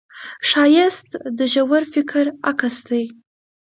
ښایست د ژور فکر عکس دی